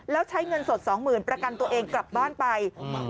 แล้วใช้เงินสดสองหมื่นประกันตัวเองกลับบ้านไป